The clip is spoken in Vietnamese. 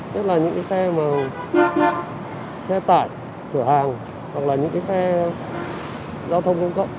tức là những xe tải sửa hàng hoặc là những xe giao thông công cộng